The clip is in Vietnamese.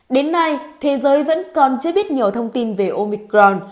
đến nay thế giới vẫn còn chưa biết nhiều thông tin về omicron